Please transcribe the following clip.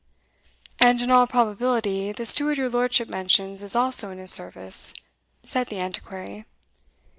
"And in all probability the steward your lordship mentions is also in his service," said the Antiquary.